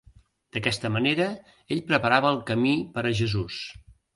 D'aquesta manera ell preparava el camí per a Jesús.